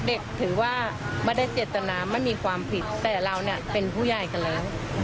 ถือว่าไม่ได้เจตนาไม่มีความผิดแต่เราเนี่ยเป็นผู้ใหญ่กันแล้ว